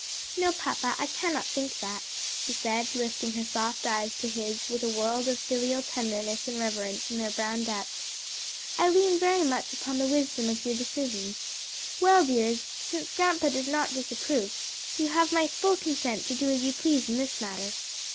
"No, papa, I cannot think that," she said, lifting her soft eyes to his with a world of filial tenderness and reverence in their brown depths; "I lean very much upon the wisdom of your decisions. Well, dears, since grandpa does not disapprove, you have my full consent to do as you please in this matter."